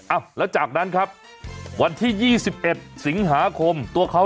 อ้าวแล้วจากนั้นครับวันที่ยี่สิบเอ็ดสิงหาคมตัวเขา